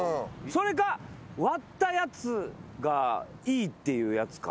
それか割ったやつがいいっていうやつか？